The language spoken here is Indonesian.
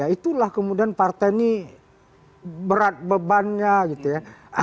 itulah kemudian partai ini berat bebannya gitu ya